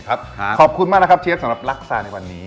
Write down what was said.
ขอบคุณมากที่รักษาในวันนี้